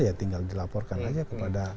ya tinggal dilaporkan aja kepada